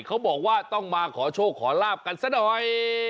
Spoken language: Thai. เขาบอกว่าต้องมาขอโชคขอลาบกันซะหน่อย